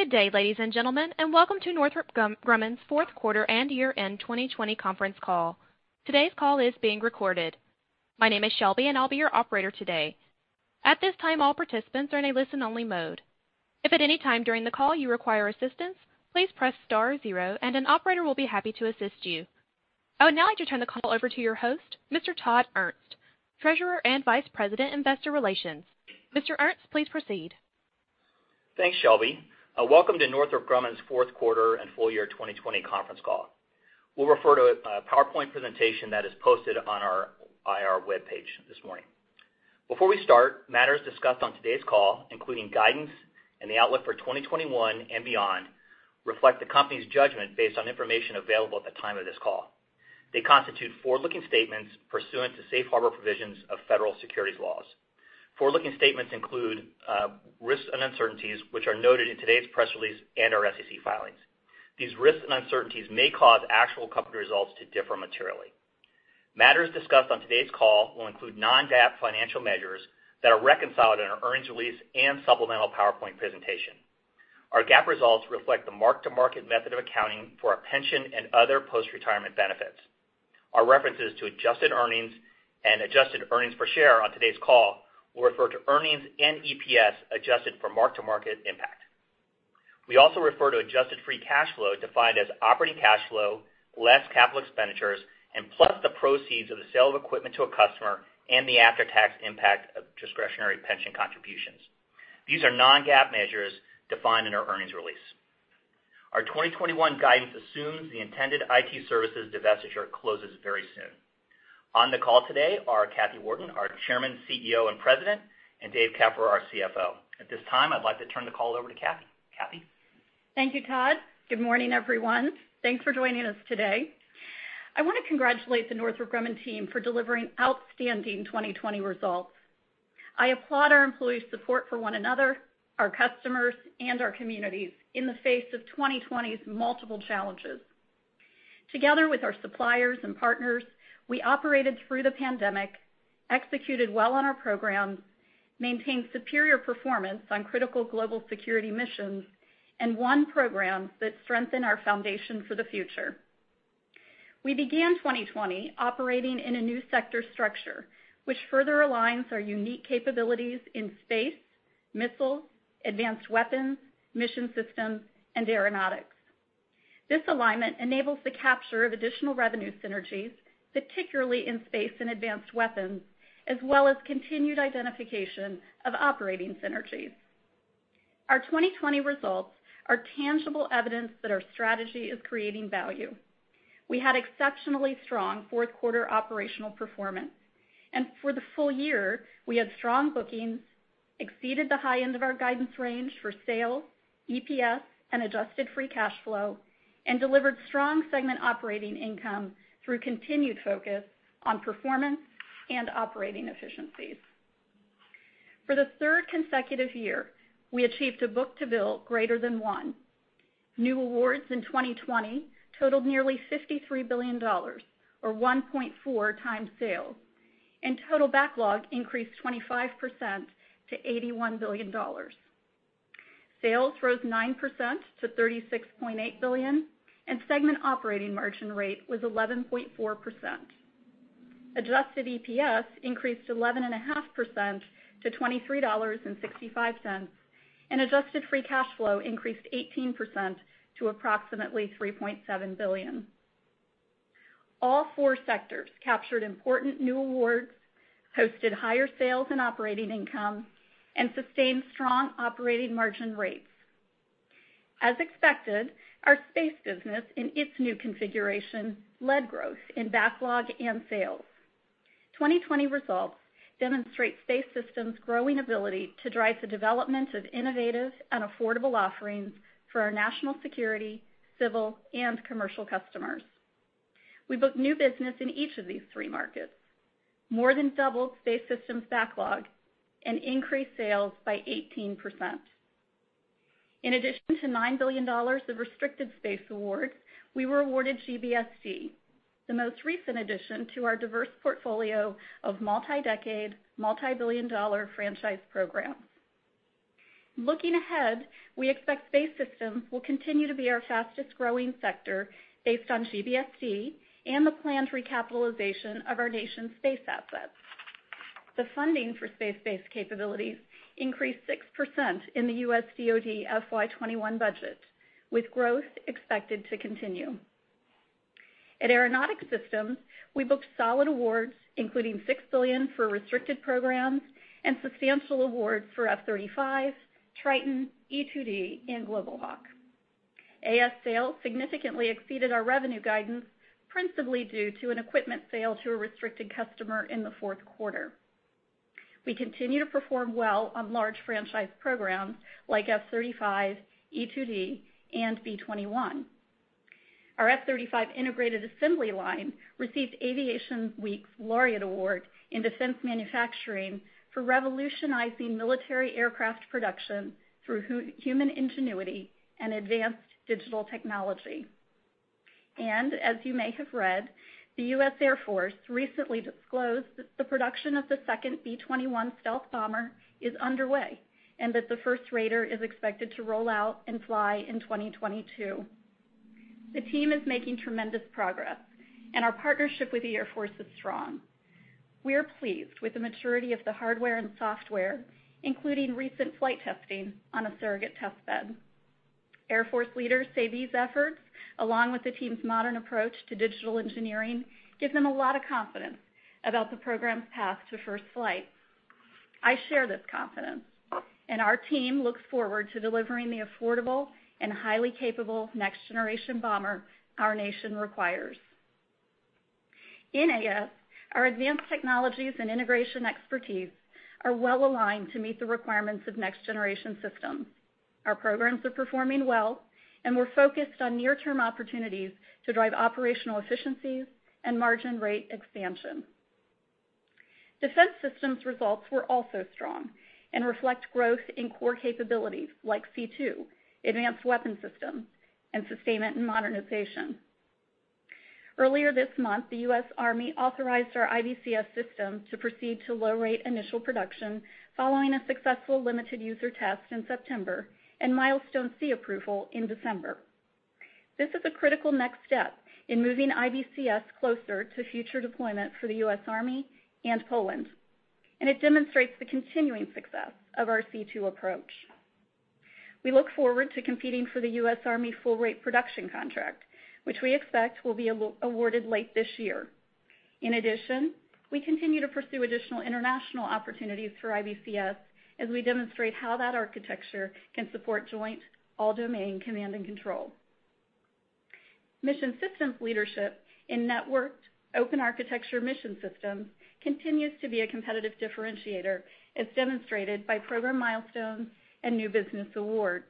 Good day, ladies and gentlemen, welcome to Northrop Grumman's fourth quarter and year-end 2020 conference call. Today's call is being recorded. My name is Shelby, and I'll be your operator today. At this time, all participants are in a listen-only mode. If at any time during the call you require assistance, please press star zero and an operator will be happy to assist you. I would now like to turn the call over to your host, Mr. Todd Ernst, Treasurer and Vice President, Investor Relations. Mr. Ernst, please proceed. Thanks, Shelby. Welcome to Northrop Grumman's fourth quarter and full year 2020 conference call. We'll refer to a PowerPoint presentation that is posted on our IR webpage this morning. Before we start, matters discussed on today's call, including guidance and the outlook for 2021 and beyond, reflect the company's judgment based on information available at the time of this call. They constitute forward-looking statements pursuant to Safe Harbor provisions of federal securities laws. Forward-looking statements include risks and uncertainties, which are noted in today's press release and our SEC filings. Matters discussed on today's call will include non-GAAP financial measures that are reconciled in our earnings release and supplemental PowerPoint presentation. Our GAAP results reflect the mark-to-market method of accounting for our pension and other post-retirement benefits. Our references to adjusted earnings and adjusted earnings per share on today's call will refer to earnings and EPS adjusted for mark-to-market impact. We also refer to adjusted free cash flow defined as operating cash flow, less capital expenditures, and plus the proceeds of the sale of equipment to a customer and the after-tax impact of discretionary pension contributions. These are non-GAAP measures defined in our earnings release. Our 2021 guidance assumes the intended IT services divestiture closes very soon. On the call today are Kathy Warden, our Chairman, CEO, and President, and Dave Keffer, our CFO. At this time, I'd like to turn the call over to Kath. Kathy? Thank you, Todd. Good morning, everyone. Thanks for joining us today. I want to congratulate the Northrop Grumman team for delivering outstanding 2020 results. I applaud our employees' support for one another, our customers, and our communities in the face of 2020's multiple challenges. Together with our suppliers and partners, we operated through the pandemic, executed well on our programs, maintained superior performance on critical global security missions, and won programs that strengthen our foundation for the future. We began 2020 operating in a new sector structure, which further aligns our unique capabilities in Space, missiles, advanced weapons, Mission Systems, and Aeronautics. This alignment enables the capture of additional revenue synergies, particularly in Space and Advanced Weapons, as well as continued identification of operating synergies. Our 2020 results are tangible evidence that our strategy is creating value. We had exceptionally strong fourth quarter operational performance. For the full year, we had strong bookings, exceeded the high end of our guidance range for sales, EPS, and adjusted free cash flow, and delivered strong segment operating income through continued focus on performance and operating efficiencies. For the third consecutive year, we achieved a book-to-bill greater than one. New awards in 2020 totaled nearly $53 billion, or 1.4x sales, and total backlog increased 25% to $81 billion. Sales rose 9% to $36.8 billion and segment operating margin rate was 11.4%. Adjusted EPS increased 11.5% to $23.65, and adjusted free cash flow increased 18% to approximately $3.7 billion. All four sectors captured important new awards, posted higher sales and operating income, and sustained strong operating margin rates. As expected, our Space business in its new configuration led growth in backlog and sales. 2020 results demonstrate Space Systems' growing ability to drive the development of innovative and affordable offerings for our national security, civil, and commercial customers. We booked new business in each of these three markets, more than doubled Space Systems backlog, and increased sales by 18%. In addition to $9 billion of restricted space awards, we were awarded GBSD, the most recent addition to our diverse portfolio of multi-decade, multi-billion-dollar franchise programs. Looking ahead, we expect Space Systems will continue to be our fastest-growing sector based on GBSD and the planned recapitalization of our nation's space assets. The funding for space-based capabilities increased 6% in the U.S. DoD FY 2021 budget, with growth expected to continue. At Aeronautics Systems, we booked solid awards, including $6 billion for restricted programs and substantial awards for F-35, Triton, E-2D, and Global Hawk. AS sales significantly exceeded our revenue guidance, principally due to an equipment sale to a restricted customer in the fourth quarter. We continue to perform well on large franchise programs like F-35, E-2D, and B-21. Our F-35 integrated assembly line received Aviation Week's Laureate Award in defense manufacturing for revolutionizing military aircraft production through human ingenuity and advanced digital technology. As you may have read, the U.S. Air Force recently disclosed that the production of the second B-21 stealth bomber is underway, and that the first Raider is expected to roll out and fly in 2022. The team is making tremendous progress and our partnership with the Air Force is strong. We are pleased with the maturity of the hardware and software, including recent flight testing on a surrogate test bed. Air Force leaders say these efforts, along with the team's modern approach to digital engineering, give them a lot of confidence about the program's path to first flight. I share this confidence, and our team looks forward to delivering the affordable and highly capable next-generation bomber our nation requires. In AS, our advanced technologies and integration expertise are well-aligned to meet the requirements of next-generation systems. Our programs are performing well, and we're focused on near-term opportunities to drive operational efficiencies and margin rate expansion. Defense Systems results were also strong and reflect growth in core capabilities like C2, advanced weapon systems, and sustainment and modernization. Earlier this month, the U.S. Army authorized our IBCS system to proceed to low rate initial production following a successful limited user test in September and Milestone C approval in December. This is a critical next step in moving IBCS closer to future deployment for the U.S. Army and Poland. It demonstrates the continuing success of our C2 approach. We look forward to competing for the U.S. Army full rate production contract, which we expect will be awarded late this year. In addition, we continue to pursue additional international opportunities through IBCS as we demonstrate how that architecture can support joint all-domain command and control. Mission Systems leadership in networked open architecture mission systems continues to be a competitive differentiator as demonstrated by program milestones and new business awards.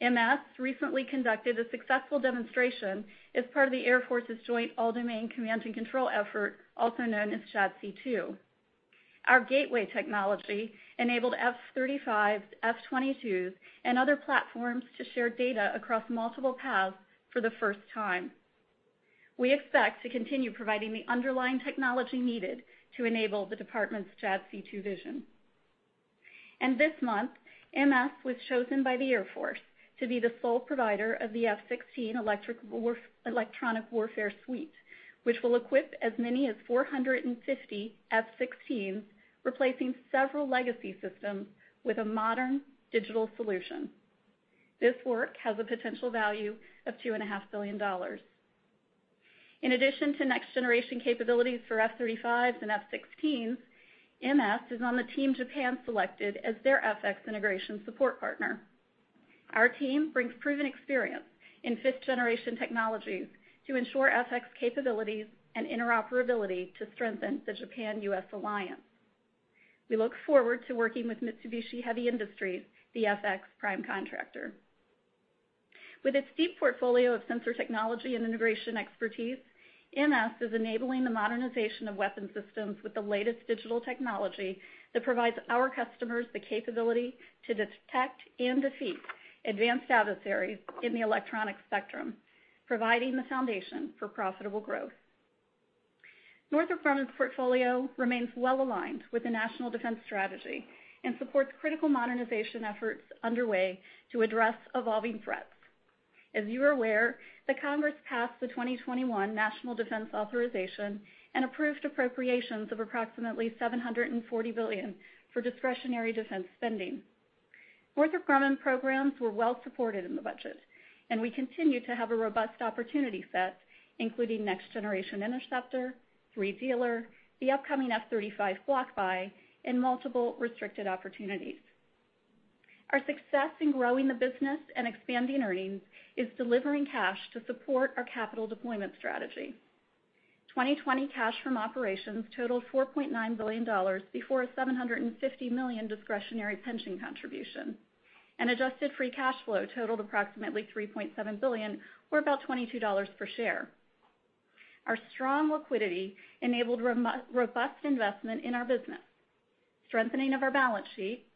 MS recently conducted a successful demonstration as part of the Air Force's Joint All-Domain Command and Control effort, also known as JADC2. Our gateway technology enabled F-35s, F-22s, and other platforms to share data across multiple paths for the first time. We expect to continue providing the underlying technology needed to enable the department's JADC2 vision. This month, MS was chosen by the Air Force to be the sole provider of the F-16 electronic warfare suite, which will equip as many as 450 F-16s, replacing several legacy systems with a modern digital solution. This work has a potential value of $2.5 billion. In addition to next-generation capabilities for F-35s and F-16s, MS is on the team Japan selected as their F-X integration support partner. Our team brings proven experience in fifth-generation technologies to ensure F-X capabilities and interoperability to strengthen the Japan-U.S. alliance. We look forward to working with Mitsubishi Heavy Industries, the F-X prime contractor. With its deep portfolio of sensor technology and integration expertise, Mission Systems is enabling the modernization of weapon systems with the latest digital technology that provides our customers the capability to detect and defeat advanced adversaries in the electronic spectrum, providing the foundation for profitable growth. Northrop Grumman's portfolio remains well-aligned with the national defense strategy and supports critical modernization efforts underway to address evolving threats. As you are aware, the Congress passed the 2021 National Defense Authorization and approved appropriations of approximately $740 billion for discretionary defense spending. Northrop Grumman programs were well supported in the budget, and we continue to have a robust opportunity set, including Next Generation Interceptor, 3DELRR, the upcoming F-35 block buy, and multiple restricted opportunities. Our success in growing the business and expanding earnings is delivering cash to support our capital deployment strategy. 2020 cash from operations totaled $4.9 billion before a $750 million discretionary pension contribution, and adjusted free cash flow totaled approximately $3.7 billion, or about $22 per share. Our strong liquidity enabled robust investment in our business, strengthening of our balance sheet,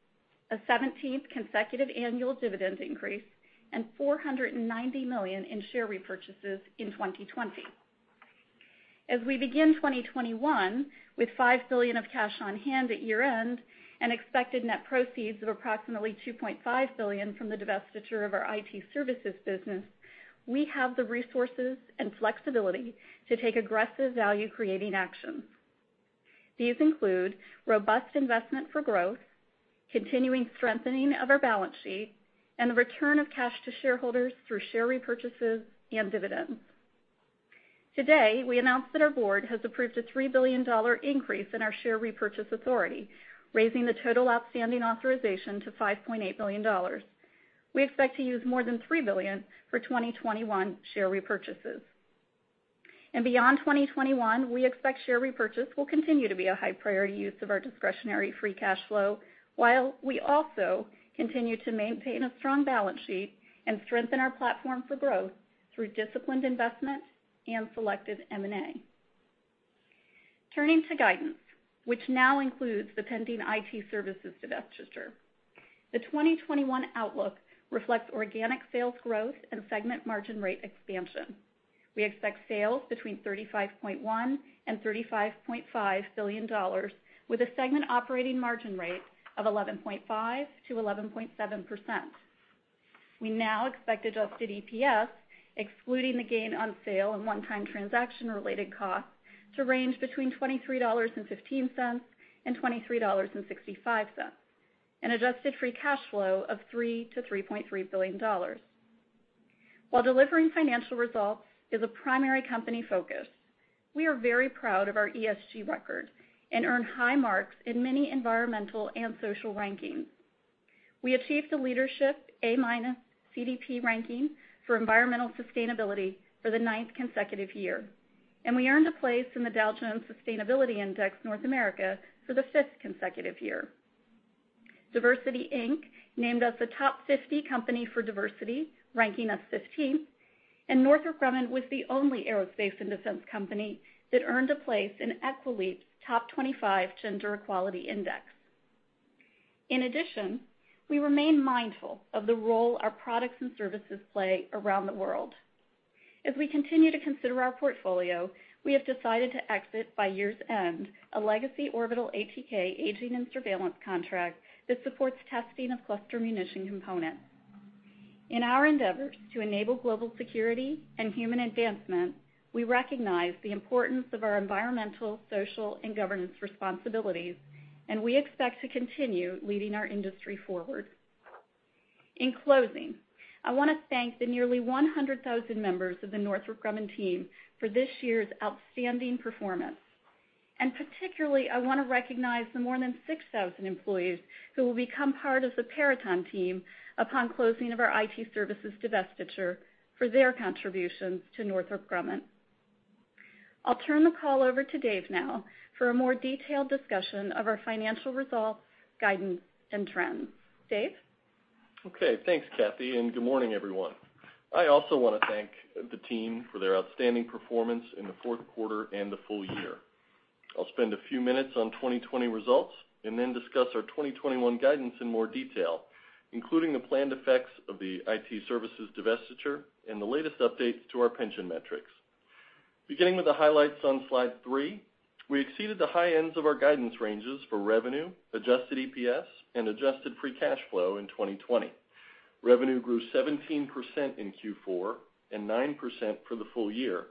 a 17th consecutive annual dividend increase, and $490 million in share repurchases in 2020. As we begin 2021 with $5 billion of cash on hand at year-end and expected net proceeds of approximately $2.5 billion from the divestiture of our IT services business, we have the resources and flexibility to take aggressive value-creating actions. These include robust investment for growth, continuing strengthening of our balance sheet, and the return of cash to shareholders through share repurchases and dividends. Today, we announced that our board has approved a $3 billion increase in our share repurchase authority, raising the total outstanding authorization to $5.8 billion. We expect to use more than $3 billion for 2021 share repurchases. Beyond 2021, we expect share repurchase will continue to be a high priority use of our discretionary free cash flow, while we also continue to maintain a strong balance sheet and strengthen our platform for growth through disciplined investment and selective M&A. Turning to guidance, which now includes the pending IT services divestiture. The 2021 outlook reflects organic sales growth and segment margin rate expansion. We expect sales between $35.1 billion and $35.5 billion with a segment operating margin rate of 11.5%-11.7%. We now expect adjusted EPS, excluding the gain on sale and one-time transaction-related costs, to range between $23.15 and $23.65, and adjusted free cash flow of $3 billion-$3.3 billion. While delivering financial results is a primary company focus, we are very proud of our ESG record and earn high marks in many environmental and social rankings. We achieved the leadership A- CDP ranking for environmental sustainability for the ninth consecutive year, and we earned a place in the Dow Jones Sustainability North America Index for the fifth consecutive year. DiversityInc named us a Top 50 company for diversity, ranking us 15th, and Northrop Grumman was the only aerospace and defense company that earned a place in Equileap's Top 25 Gender Equality Index. In addition, we remain mindful of the role our products and services play around the world. As we continue to consider our portfolio, we have decided to exit by year's end a legacy Orbital ATK aging and surveillance contract that supports testing of cluster munition components. In our endeavors to enable global security and human advancement, we recognize the importance of our environmental, social, and governance responsibilities, and we expect to continue leading our industry forward. In closing, I want to thank the nearly 100,000 members of the Northrop Grumman team for this year's outstanding performance. Particularly, I want to recognize the more than 6,000 employees who will become part of the Peraton team upon closing of our IT services divestiture for their contributions to Northrop Grumman. I'll turn the call over to Dave now for a more detailed discussion of our financial results, guidance, and trends. Dave? Okay. Thanks, Kathy, and good morning, everyone. I also want to thank the team for their outstanding performance in the fourth quarter and the full year. I'll spend a few minutes on 2020 results and then discuss our 2021 guidance in more detail, including the planned effects of the IT services divestiture and the latest updates to our pension metrics. Beginning with the highlights on slide three, we exceeded the high ends of our guidance ranges for revenue, adjusted EPS, and adjusted free cash flow in 2020. Revenue grew 17% in Q4 and 9% for the full year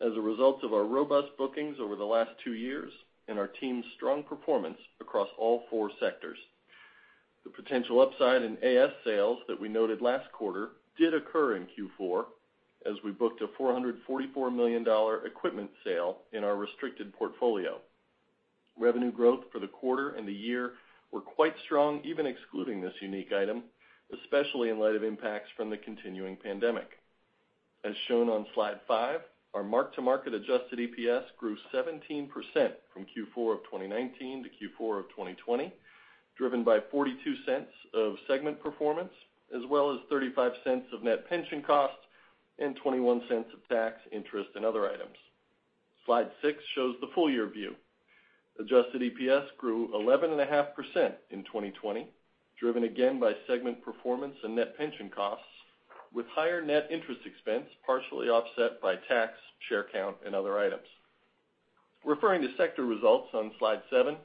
as a result of our robust bookings over the last two years and our team's strong performance across all four sectors. The potential upside in AS sales that we noted last quarter did occur in Q4 as we booked a $444 million equipment sale in our restricted portfolio. Revenue growth for the quarter and the year were quite strong, even excluding this unique item, especially in light of impacts from the continuing pandemic. As shown on slide five, our mark-to-market adjusted EPS grew 17% from Q4 of 2019 to Q4 of 2020, driven by $0.42 of segment performance, as well as $0.35 of net pension costs and $0.21 of tax, interest, and other items. Slide six shows the full-year view. Adjusted EPS grew 11.5% in 2020, driven again by segment performance and net pension costs, with higher net interest expense partially offset by tax, share count, and other items. Referring to sector results on slide seven,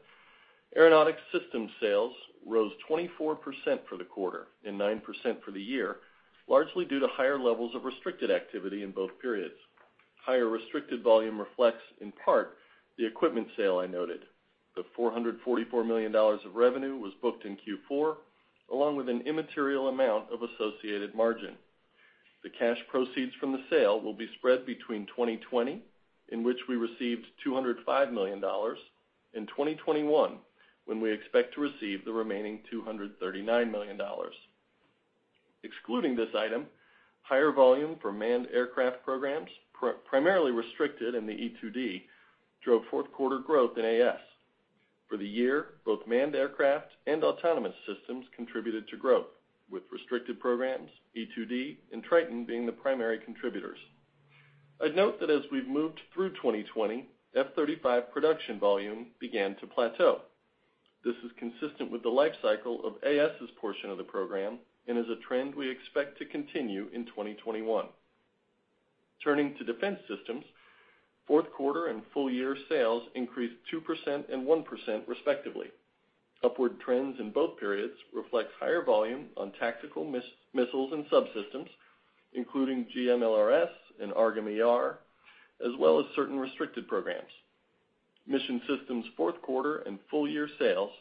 Aeronautics Systems sales rose 24% for the quarter and 9% for the year, largely due to higher levels of restricted activity in both periods. Higher restricted volume reflects, in part, the equipment sale I noted. The $444 million of revenue was booked in Q4, along with an immaterial amount of associated margin. The cash proceeds from the sale will be spread between 2020, in which we received $205 million, and 2021, when we expect to receive the remaining $239 million. Excluding this item, higher volume for manned aircraft programs, primarily restricted in the E-2D, drove fourth-quarter growth in AS. For the year, both manned aircraft and autonomous systems contributed to growth, with restricted programs, E-2D, and Triton being the primary contributors. I'd note that as we've moved through 2020, F-35 production volume began to plateau. This is consistent with the life cycle of AS's portion of the program and is a trend we expect to continue in 2021. Turning to Defense Systems, fourth quarter and full year sales increased 2% and 1%, respectively. Upward trends in both periods reflect higher volume on tactical missiles and subsystems, including GMLRS and AARGM-ER, as well as certain restricted programs. Mission Systems fourth quarter and full year sales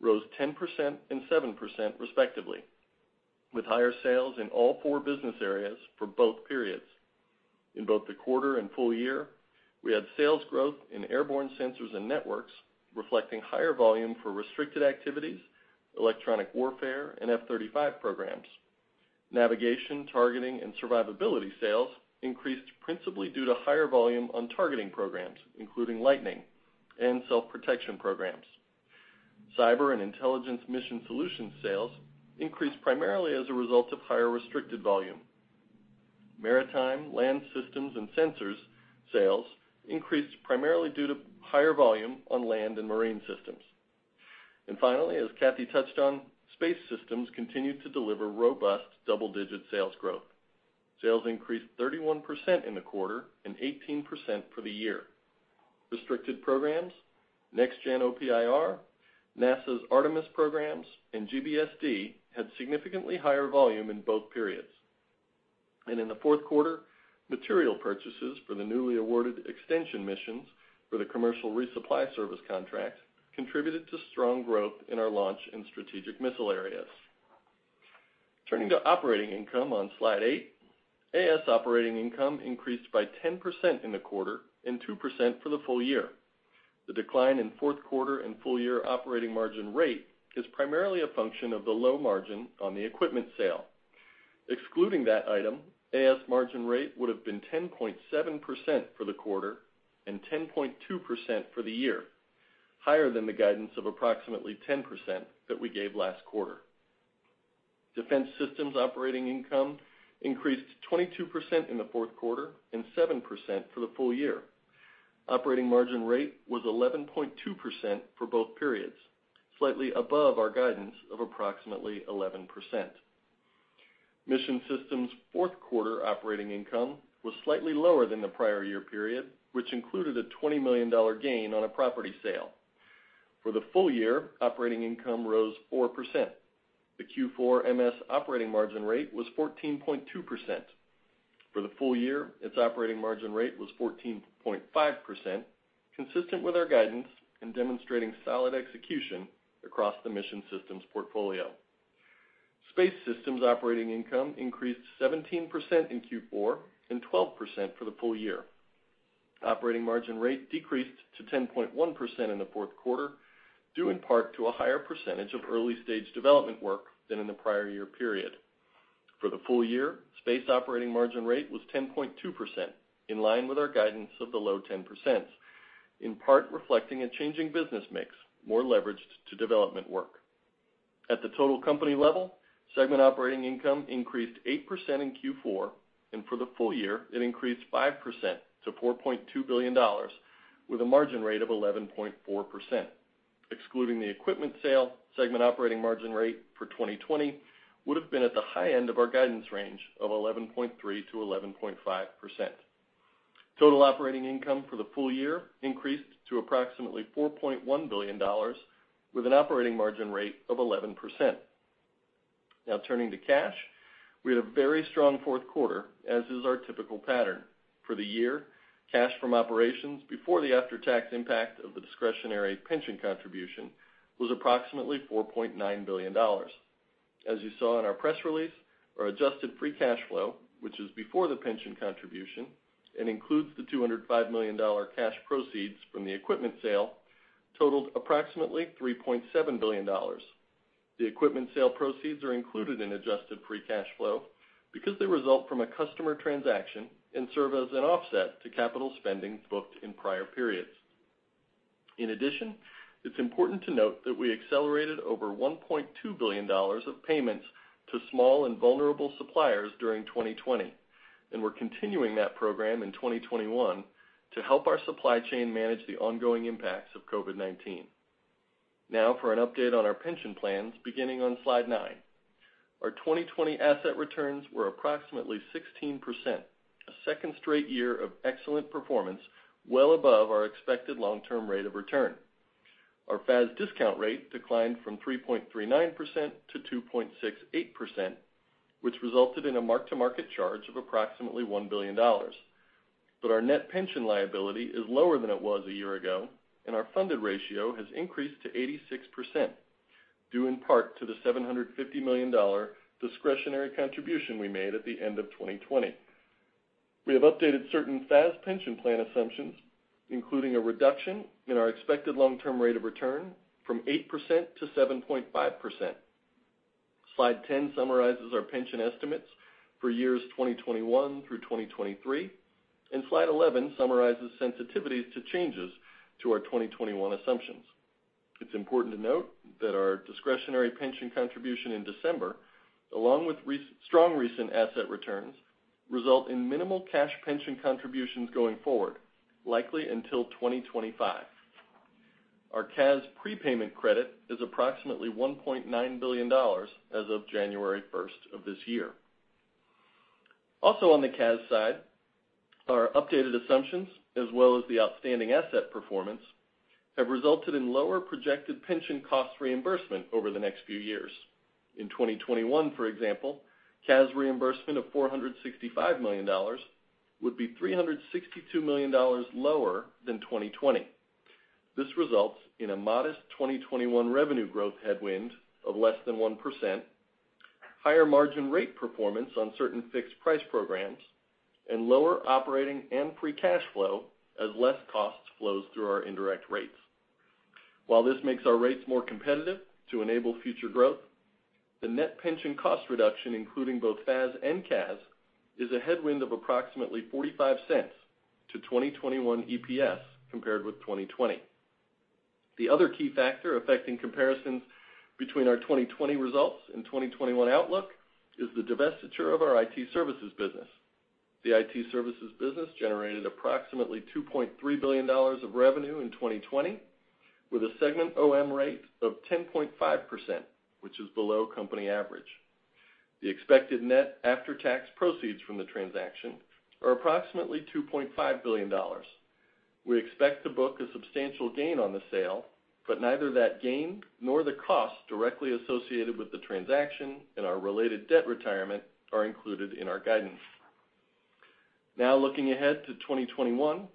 rose 10% and 7%, respectively, with higher sales in all four business areas for both periods. In both the quarter and full year, we had sales growth in airborne sensors and networks, reflecting higher volume for restricted activities, electronic warfare, and F-35 programs. Navigation, targeting, and survivability sales increased principally due to higher volume on targeting programs, including LITENING, and self-protection programs. Cyber and intelligence mission solutions sales increased primarily as a result of higher restricted volume. Maritime, land systems, and sensors sales increased primarily due to higher volume on land and marine systems. Finally, as Kathy touched on, Space Systems continued to deliver robust double-digit sales growth. Sales increased 31% in the quarter and 18% for the year. Restricted programs, Next Gen OPIR, NASA's Artemis programs, and GBSD had significantly higher volume in both periods. In the fourth quarter, material purchases for the newly awarded extension missions for the commercial resupply service contract contributed to strong growth in our launch and strategic missile areas. Turning to operating income on slide eight, AS operating income increased by 10% in the quarter and 2% for the full year. The decline in fourth quarter and full year operating margin rate is primarily a function of the low margin on the equipment sale. Excluding that item, AS margin rate would've been 10.7% for the quarter and 10.2% for the year, higher than the guidance of approximately 10% that we gave last quarter. Defense Systems operating income increased 22% in the fourth quarter and 7% for the full year. Operating margin rate was 11.2% for both periods, slightly above our guidance of approximately 11%. Mission Systems' fourth quarter operating income was slightly lower than the prior year period, which included a $20 million gain on a property sale. For the full year, operating income rose 4%. The Q4 MS operating margin rate was 14.2%. For the full year, its operating margin rate was 14.5%, consistent with our guidance and demonstrating solid execution across the Mission Systems portfolio. Space Systems operating income increased 17% in Q4 and 12% for the full year. Operating margin rate decreased to 10.1% in the fourth quarter, due in part to a higher percentage of early-stage development work than in the prior year period. For the full year, space operating margin rate was 10.2%, in line with our guidance of the low 10%, in part reflecting a changing business mix more leveraged to development work. At the total company level, segment operating income increased 8% in Q4, and for the full year, it increased 5% to $4.2 billion with a margin rate of 11.4%. Excluding the equipment sale, segment operating margin rate for 2020 would've been at the high end of our guidance range of 11.3%-11.5%. Total operating income for the full year increased to approximately $4.1 billion with an operating margin rate of 11%. Turning to cash, we had a very strong fourth quarter, as is our typical pattern. For the year, cash from operations before the after-tax impact of the discretionary pension contribution was approximately $4.9 billion. As you saw in our press release, our adjusted free cash flow, which is before the pension contribution and includes the $205 million cash proceeds from the equipment sale, totaled approximately $3.7 billion. The equipment sale proceeds are included in adjusted free cash flow because they result from a customer transaction and serve as an offset to capital spendings booked in prior periods. In addition, it's important to note that we accelerated over $1.2 billion of payments to small and vulnerable suppliers during 2020, and we're continuing that program in 2021 to help our supply chain manage the ongoing impacts of COVID-19. For an update on our pension plans beginning on slide nine. Our 2020 asset returns were approximately 16%, a second straight year of excellent performance well above our expected long-term rate of return. Our FAS discount rate declined from 3.39% to 2.68%, which resulted in a mark-to-market charge of approximately $1 billion. Our net pension liability is lower than it was a year ago, and our funded ratio has increased to 86%, due in part to the $750 million discretionary contribution we made at the end of 2020. We have updated certain FAS pension plan assumptions, including a reduction in our expected long-term rate of return from 8% to 7.5%. Slide 10 summarizes our pension estimates for years 2021 through 2023, and slide 11 summarizes sensitivities to changes to our 2021 assumptions. It's important to note that our discretionary pension contribution in December, along with strong recent asset returns, result in minimal cash pension contributions going forward, likely until 2025. Our CAS prepayment credit is approximately $1.9 billion as of January 1st of this year. On the CAS side, our updated assumptions as well as the outstanding asset performance have resulted in lower projected pension cost reimbursement over the next few years. In 2021, for example, CAS reimbursement of $465 million would be $362 million lower than 2020. This results in a modest 2021 revenue growth headwind of less than 1%, higher margin rate performance on certain fixed price programs, and lower operating and free cash flow as less cost flows through our indirect rates. While this makes our rates more competitive to enable future growth, the net pension cost reduction including both FAS and CAS, is a headwind of approximately $0.45 to 2021 EPS compared with 2020. The other key factor affecting comparisons between our 2020 results and 2021 outlook is the divestiture of our IT services business. The IT services business generated approximately $2.3 billion of revenue in 2020, with a segment OM rate of 10.5%, which is below company average. The expected net after-tax proceeds from the transaction are approximately $2.5 billion. We expect to book a substantial gain on the sale, but neither that gain nor the cost directly associated with the transaction and our related debt retirement are included in our guidance. Now, looking ahead to 2021,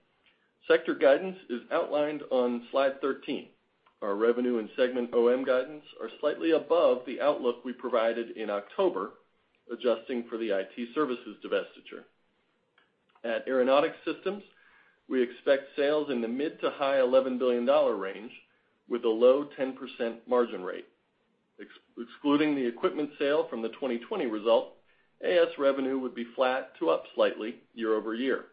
sector guidance is outlined on slide 13. Our revenue and segment OM guidance are slightly above the outlook we provided in October, adjusting for the IT services divestiture. At Aeronautics Systems, we expect sales in the mid to high $11 billion range with a low 10% margin rate. Excluding the equipment sale from the 2020 result, AS revenue would be flat to up slightly year-over-year.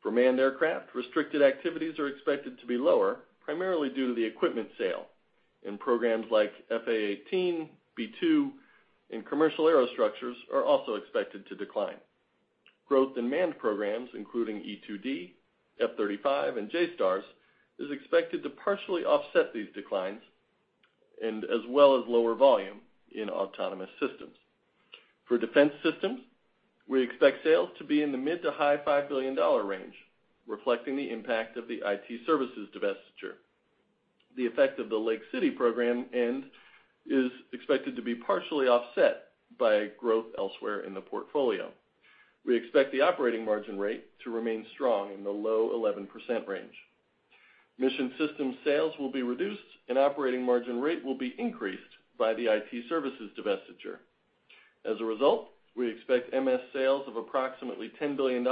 For manned aircraft, restricted activities are expected to be lower, primarily due to the equipment sale, and programs like F/A-18, B-2, and commercial aerostructures are also expected to decline. Growth in manned programs, including E-2D, F-35, and JSTARS, is expected to partially offset these declines, and as well as lower volume in autonomous systems. For Defense Systems, we expect sales to be in the mid to high $5 billion range, reflecting the impact of the IT services divestiture. The effect of the Lake City program end is expected to be partially offset by growth elsewhere in the portfolio. We expect the operating margin rate to remain strong in the low 11% range. Mission Systems sales will be reduced, and operating margin rate will be increased by the IT services divestiture. As a result, we expect MS sales of approximately $10 billion,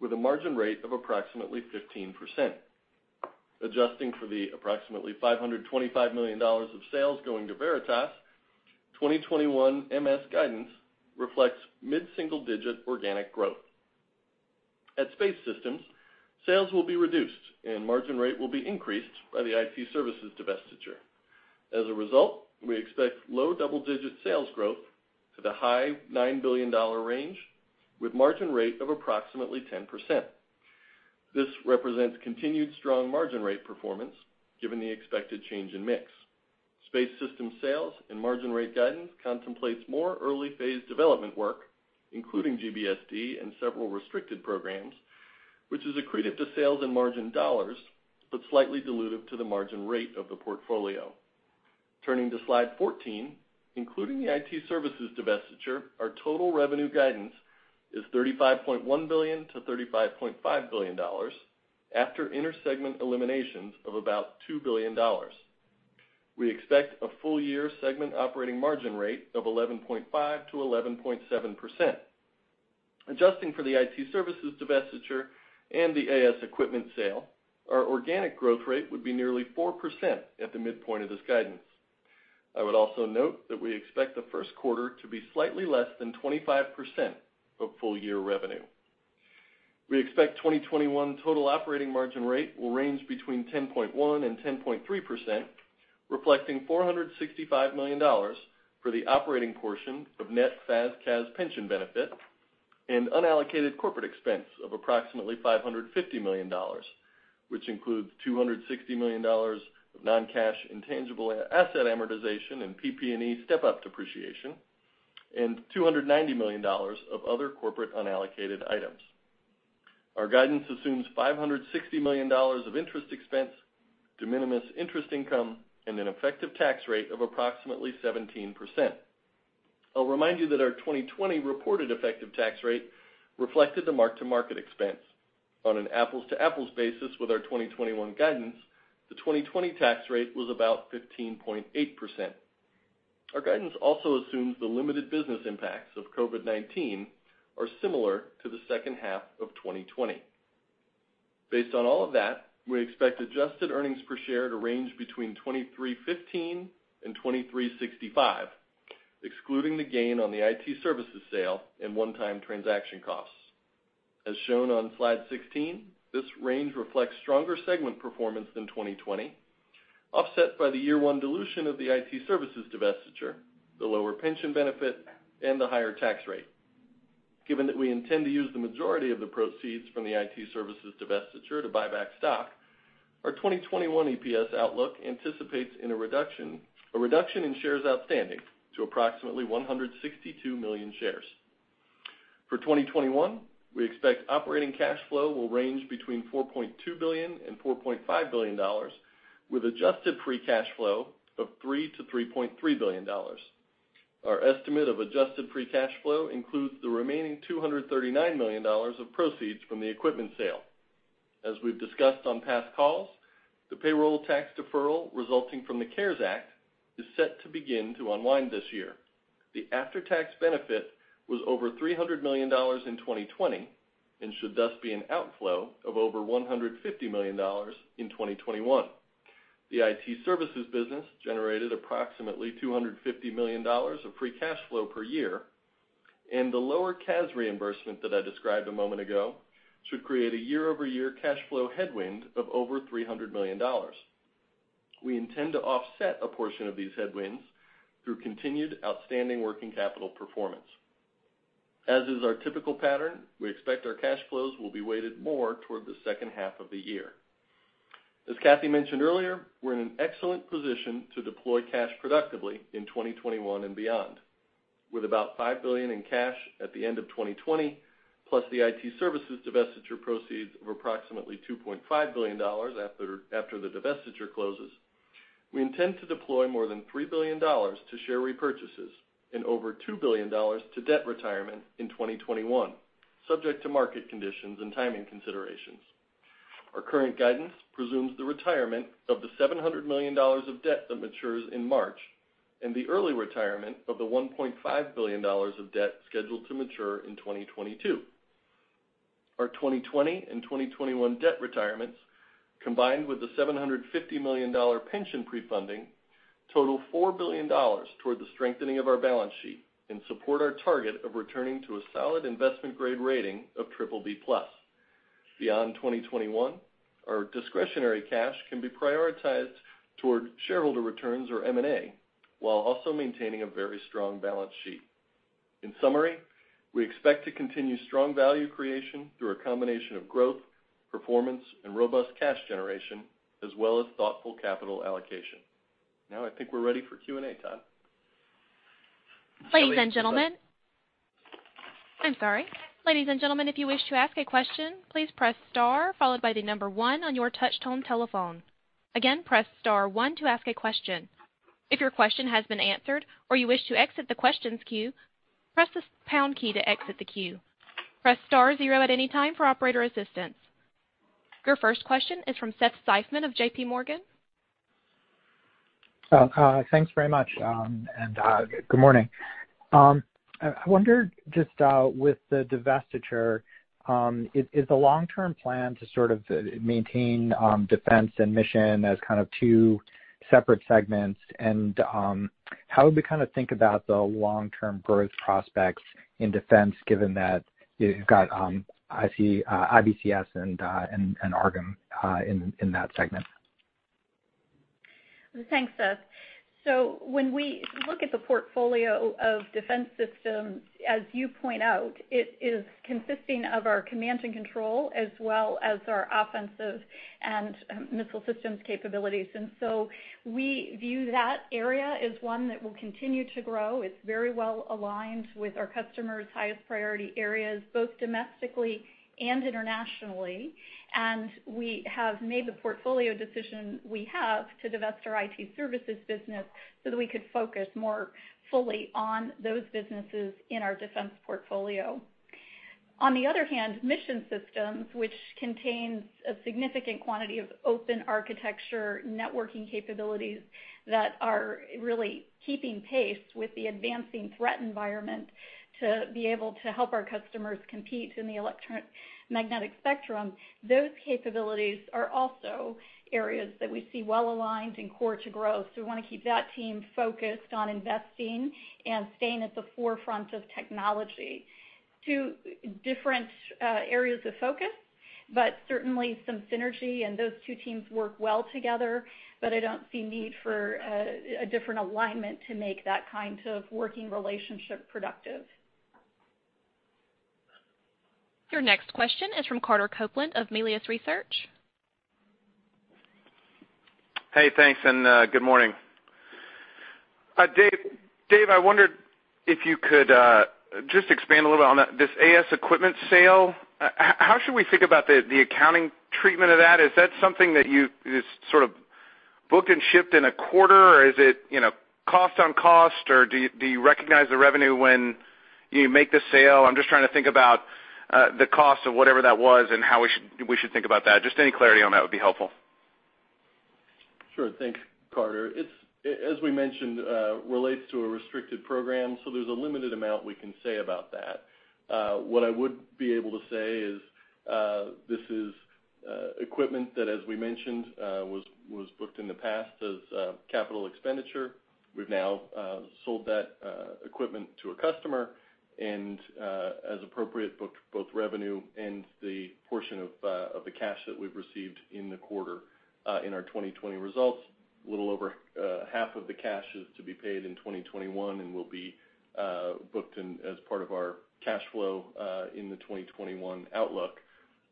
with a margin rate of approximately 15%. Adjusting for the approximately $525 million of sales going to Veritas, 2021 MS guidance reflects mid-single-digit organic growth. At Space Systems, sales will be reduced, and margin rate will be increased by the IT services divestiture. As a result, we expect low double-digit sales growth to the high $9 billion range with a margin rate of approximately 10%. This represents continued strong margin rate performance given the expected change in mix. Space Systems sales and margin rate guidance contemplates more early phase development work, including GBSD and several restricted programs, which is accretive to sales and margin dollars, but slightly dilutive to the margin rate of the portfolio. Turning to slide 14, including the IT services divestiture, our total revenue guidance is $35.1 billion-$35.5 billion after inter-segment eliminations of about $2 billion. We expect a full-year segment operating margin rate of 11.5%-11.7%. Adjusting for the IT services divestiture and the AS equipment sale, our organic growth rate would be nearly 4% at the midpoint of this guidance. I would also note that we expect the first quarter to be slightly less than 25% of full-year revenue. We expect 2021 total operating margin rate will range between 10.1% and 10.3%, reflecting $465 million for the operating portion of net FAS/CAS pension benefit and unallocated corporate expense of approximately $550 million, which includes $260 million of non-cash intangible asset amortization and PP&E step-up depreciation and $290 million of other corporate unallocated items. Our guidance assumes $560 million of interest expense de minimis interest income and an effective tax rate of approximately 17%. I'll remind you that our 2020 reported effective tax rate reflected the mark-to-market expense. On an apples-to-apples basis with our 2021 guidance, the 2020 tax rate was about 15.8%. Our guidance also assumes the limited business impacts of COVID-19 are similar to the second half of 2020. Based on all of that, we expect adjusted earnings per share to range between $23.15 and $23.65, excluding the gain on the IT services sale and one-time transaction costs. As shown on slide 16, this range reflects stronger segment performance than 2020, offset by the year one dilution of the IT services divestiture, the lower pension benefit, and the higher tax rate. Given that we intend to use the majority of the proceeds from the IT services divestiture to buy back stock, our 2021 EPS outlook anticipates a reduction in shares outstanding to approximately 162 million shares. For 2021, we expect operating cash flow will range between $4.2 billion and $4.5 billion, with adjusted free cash flow of $3 billion-$3.3 billion. Our estimate of adjusted free cash flow includes the remaining $239 million of proceeds from the equipment sale. As we've discussed on past calls, the payroll tax deferral resulting from the CARES Act is set to begin to unwind this year. The after-tax benefit was over $300 million in 2020 and should thus be an outflow of over $150 million in 2021. The IT services business generated approximately $250 million of free cash flow per year. The lower CAS reimbursement that I described a moment ago should create a year-over-year cash flow headwind of over $300 million. We intend to offset a portion of these headwinds through continued outstanding working capital performance. As is our typical pattern, we expect our cash flows will be weighted more toward the second half of the year. As Kathy mentioned earlier, we're in an excellent position to deploy cash productively in 2021 and beyond. With about $5 billion in cash at the end of 2020, plus the IT services divestiture proceeds of approximately $2.5 billion after the divestiture closes, we intend to deploy more than $3 billion to share repurchases and over $2 billion to debt retirement in 2021, subject to market conditions and timing considerations. Our current guidance presumes the retirement of the $700 million of debt that matures in March and the early retirement of the $1.5 billion of debt scheduled to mature in 2022. Our 2020 and 2021 debt retirements, combined with the $750 million pension pre-funding, total $4 billion toward the strengthening of our balance sheet and support our target of returning to a solid investment-grade rating of BBB+. Beyond 2021, our discretionary cash can be prioritized toward shareholder returns or M&A, while also maintaining a very strong balance sheet. In summary, we expect to continue strong value creation through a combination of growth, performance, and robust cash generation, as well as thoughtful capital allocation. I think we're ready for Q&A, Todd. Ladies and gentlemen. I'm sorry. Ladies and gentlemen, if you wish to ask a question, please press star followed by the number one on your touch-tone telephone. Again, press star one to ask a question. If your question has been answered or you wish to exit the questions queue, press the pound key to exit the queue. Press star zero at any time for operator assistance. Your first question is from Seth Seifman of JPMorgan. Thanks very much, and good morning. I wondered just with the divestiture, is the long-term plan to sort of maintain Defense and Mission as kind of two separate segments? How would we kind of think about the long-term growth prospects in Defense given that you've got, I see, IBCS and AARGM in that segment? Thanks, Seth. When we look at the portfolio of Defense Systems, as you point out, it is consisting of our command and control as well as our offensive and missile systems capabilities. We view that area as one that will continue to grow. It's very well aligned with our customers' highest priority areas, both domestically and internationally. We have made the portfolio decision we have to divest our IT services business so that we could focus more fully on those businesses in our Defense portfolio. On the other hand, Mission Systems, which contains a significant quantity of open architecture networking capabilities that are really keeping pace with the advancing threat environment to be able to help our customers compete in the electromagnetic spectrum. Those capabilities are also areas that we see well-aligned and core to growth, so we want to keep that team focused on investing and staying at the forefront of technology. Two different areas of focus, but certainly some synergy and those two teams work well together, but I don't see need for a different alignment to make that kind of working relationship productive. Your next question is from Carter Copeland of Melius Research. Hey, thanks, and good morning. Dave, I wondered if you could just expand a little bit on this AS equipment sale. How should we think about the accounting treatment of that? Is that something that you just sort of book and shipped in a quarter, or is it cost on cost, or do you recognize the revenue when you make the sale? I'm just trying to think about the cost of whatever that was and how we should think about that. Just any clarity on that would be helpful. Sure. Thanks, Carter. It, as we mentioned, relates to a restricted program, so there's a limited amount we can say about that. What I would be able to say is this is equipment that, as we mentioned, was booked in the past as capital expenditure. We've now sold that equipment to a customer and, as appropriate, booked both revenue and the portion of the cash that we've received in the quarter in our 2020 results. A little over half of the cash is to be paid in 2021 and will be booked as part of our cash flow in the 2021 outlook.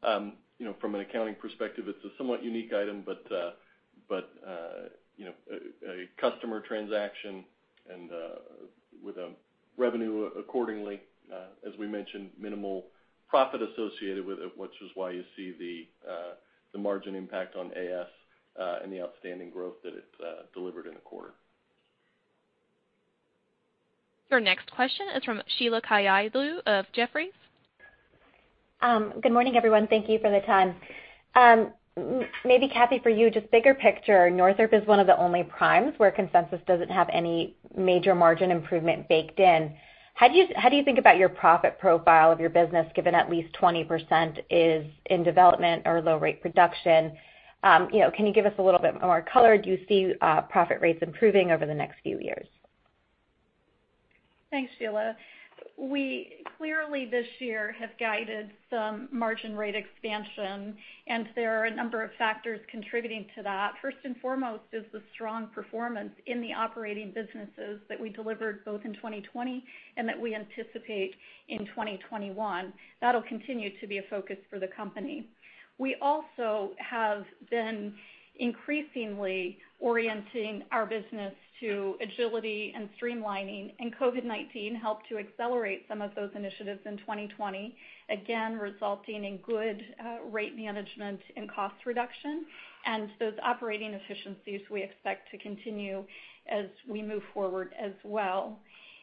From an accounting perspective, it's a somewhat unique item, but a customer transaction and with a revenue accordingly, as we mentioned, minimal profit associated with it, which is why you see the margin impact on AS and the outstanding growth that it delivered in the quarter. Your next question is from Sheila Kahyaoglu of Jefferies. Good morning, everyone. Thank you for the time. Maybe Kathy, for you, just bigger picture, Northrop is one of the only primes where consensus doesn't have any major margin improvement baked in. How do you think about your profit profile of your business given at least 20% is in development or low rate production? Can you give us a little bit more color? Do you see profit rates improving over the next few years? Thanks, Sheila. We clearly this year have guided some margin rate expansion, and there are a number of factors contributing to that. First and foremost is the strong performance in the operating businesses that we delivered both in 2020 and that we anticipate in 2021. That'll continue to be a focus for the company. We also have been increasingly orienting our business to agility and streamlining, and COVID-19 helped to accelerate some of those initiatives in 2020, again, resulting in good rate management and cost reduction. Those operating efficiencies we expect to continue as we move forward as well.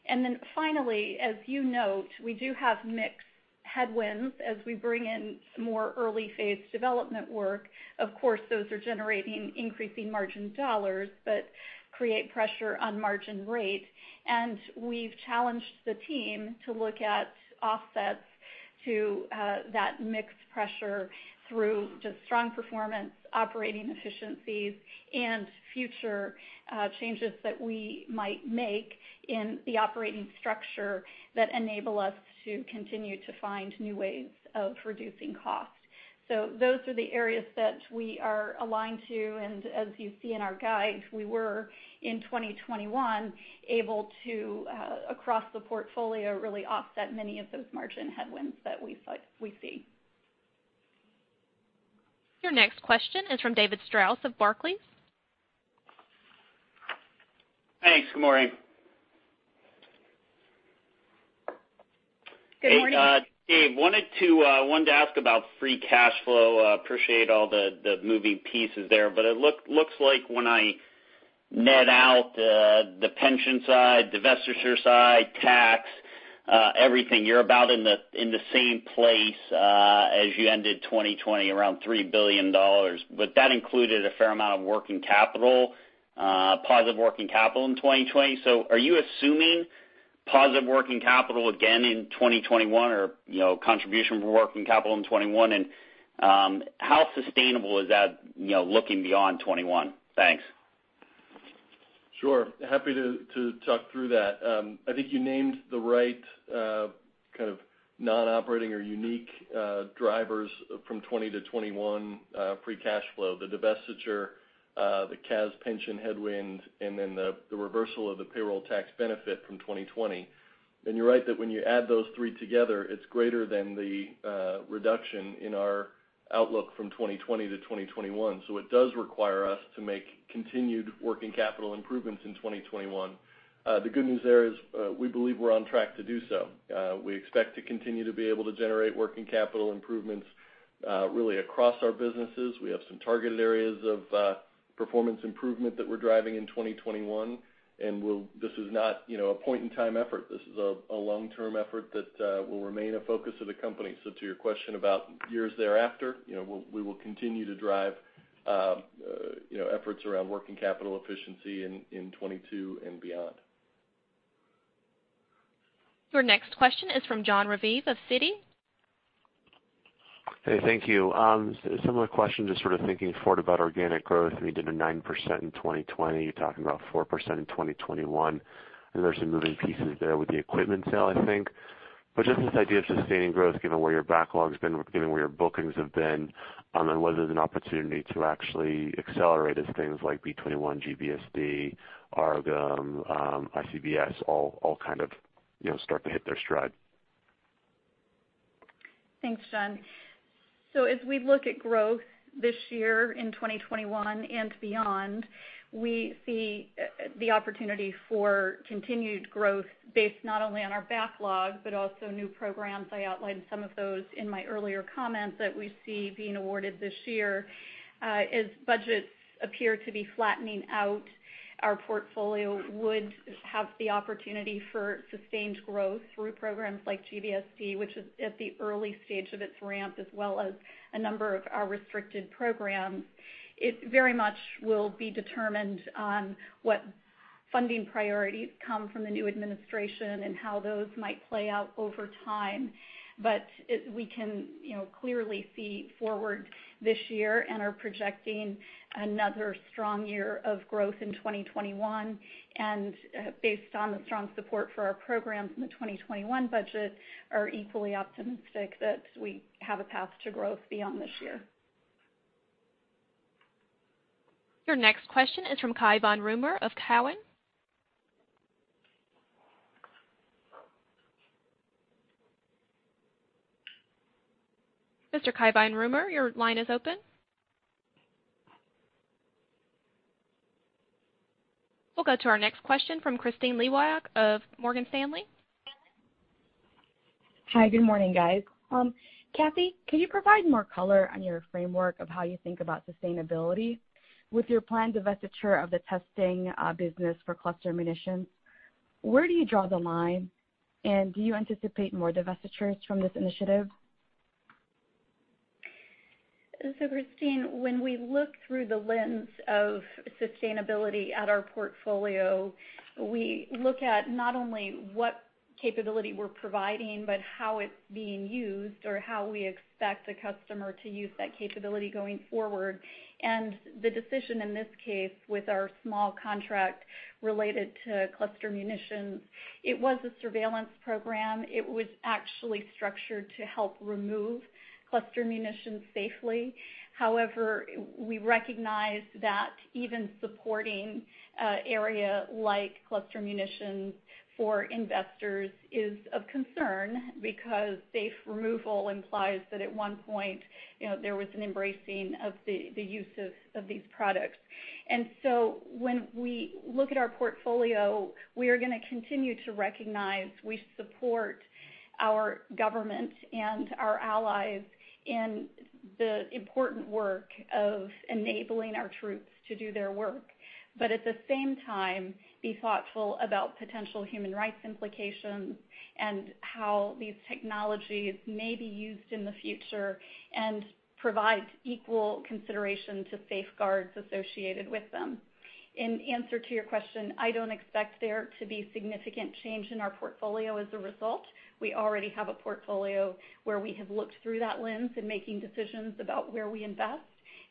Then finally, as you note, we do have mixed headwinds as we bring in some more early-phase development work. Of course, those are generating increasing margin dollars but create pressure on margin rate. We've challenged the team to look at offsets to that mixed pressure through just strong performance, operating efficiencies, and future changes that we might make in the operating structure that enable us to continue to find new ways of reducing costs. Those are the areas that we are aligned to, and as you see in our guide, we were, in 2021, able to, across the portfolio, really offset many of those margin headwinds that we see. Your next question is from David Strauss of Barclays. Thanks. Good morning. Good morning. Dave, wanted to ask about free cash flow. Appreciate all the moving pieces there, but it looks like when I net out the pension side, divestiture side, tax, everything, you're about in the same place as you ended 2020, around $3 billion. That included a fair amount of working capital, positive working capital in 2020. Are you assuming positive working capital again in 2021 or contribution for working capital in 2021? How sustainable is that looking beyond 2021? Thanks. Sure. Happy to talk through that. I think you named the right kind of non-operating or unique drivers from 2020-2021 free cash flow, the divestiture, the CAS pension headwind, and then the reversal of the payroll tax benefit from 2020. You're right that when you add those three together, it's greater than the reduction in our outlook from 2020-2021. It does require us to make continued working capital improvements in 2021. The good news there is we believe we're on track to do so. We expect to continue to be able to generate working capital improvements really across our businesses. We have some targeted areas of performance improvement that we're driving in 2021, and this is not a point-in-time effort. This is a long-term effort that will remain a focus of the company. To your question about years thereafter, we will continue to drive efforts around working capital efficiency in 2022 and beyond. Your next question is from Jon Raviv of Citi. Hey, thank you. Similar question, just sort of thinking forward about organic growth. You did 9% in 2020. You're talking about 4% in 2021, and there's some moving pieces there with the equipment sale, I think. Just this idea of sustaining growth, given where your backlog's been, given where your bookings have been, and then whether there's an opportunity to actually accelerate as things like B-21, GBSD, AARGM, IBCS, all kind of start to hit their stride. Thanks, Jon. As we look at growth this year in 2021 and beyond, we see the opportunity for continued growth based not only on our backlog but also new programs. I outlined some of those in my earlier comments that we see being awarded this year. As budgets appear to be flattening out, our portfolio would have the opportunity for sustained growth through programs like GBSD, which is at the early stage of its ramp, as well as a number of our restricted programs. It very much will be determined on what funding priorities come from the new administration and how those might play out over time. We can clearly see forward this year and are projecting another strong year of growth in 2021, and based on the strong support for our programs in the 2021 budget, are equally optimistic that we have a path to growth beyond this year. Your next question is from Cai von Rumohr of Cowen. Mr. Cai von Rumohr, your line is open. We'll go to our next question from Kristine Liwag of Morgan Stanley. Hi. Good morning, guys. Kathy, can you provide more color on your framework of how you think about sustainability with your planned divestiture of the testing business for cluster munitions? Where do you draw the line, and do you anticipate more divestitures from this initiative? Kristine, when we look through the lens of sustainability at our portfolio, we look at not only what capability we're providing, but how it's being used or how we expect the customer to use that capability going forward. The decision in this case with our small contract related to cluster munitions, it was a surveillance program. It was actually structured to help remove cluster munitions safely. However, we recognize that even supporting an area like cluster munitions for investors is of concern because safe removal implies that at one point, there was an embracing of the use of these products. When we look at our portfolio, we are going to continue to recognize we support our government and our allies in the important work of enabling our troops to do their work, but at the same time, be thoughtful about potential human rights implications and how these technologies may be used in the future and provide equal consideration to safeguards associated with them. In answer to your question, I don't expect there to be significant change in our portfolio as a result. We already have a portfolio where we have looked through that lens in making decisions about where we invest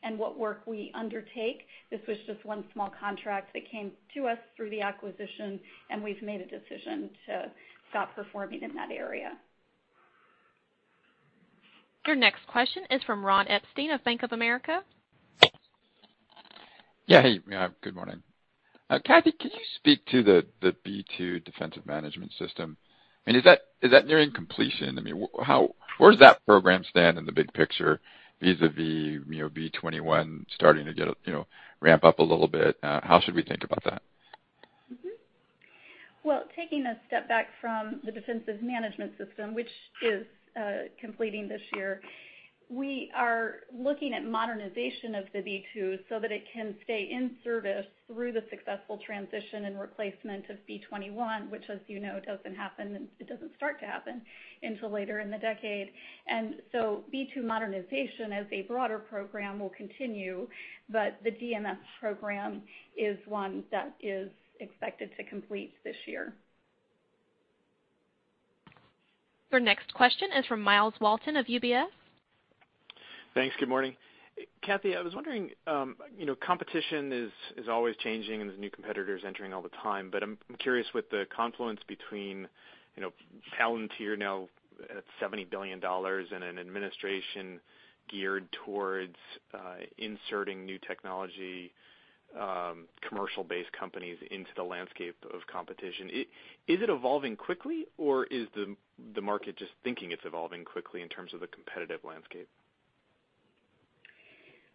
and what work we undertake. This was just one small contract that came to us through the acquisition, and we've made a decision to stop performing in that area. Your next question is from Ron Epstein of Bank of America. Yeah. Hey. Good morning. Kathy, can you speak to the B-2 Defensive Management System? Is that nearing completion? Where does that program stand in the big picture vis-a-vis B-21 starting to ramp up a little bit? How should we think about that? Well, taking a step back from the Defensive Management System, which is completing this year, we are looking at modernization of the B-2 so that it can stay in service through the successful transition and replacement of B-21, which as you know, it doesn't start to happen until later in the decade. B-2 modernization as a broader program will continue, but the DMS program is one that is expected to complete this year. Your next question is from Myles Walton of UBS. Thanks. Good morning. Kathy, I was wondering, competition is always changing and there's new competitors entering all the time, but I'm curious with the confluence between Palantir now at $70 billion and an administration geared towards inserting new technology, commercial-based companies into the landscape of competition. Is it evolving quickly, or is the market just thinking it's evolving quickly in terms of the competitive landscape?